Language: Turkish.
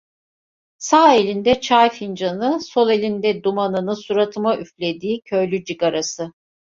Sağ elinde çay fincanı, sol elinde dumanını suratıma üflediği köylü cigarası…